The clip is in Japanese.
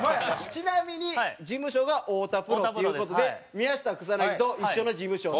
ちなみに事務所が太田プロっていう事で宮下草薙と一緒の事務所で。